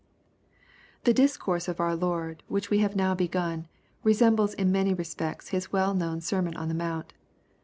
The discourse of our Lord, which we have now begun, resembles, in many respects, His well known Sermon on the Mount.